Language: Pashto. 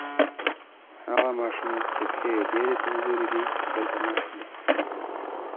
هغه ماشوم چې پښې یې ډېرې کمزورې دي دلته ناست دی.